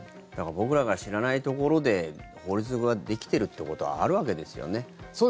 僕らが知らないところで法律ができてるってことはあるわけですよね。